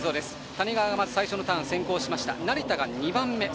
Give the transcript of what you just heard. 谷川が最初のターン先行して成田が２番目。